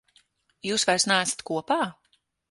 Jūs vairs neesat kopā?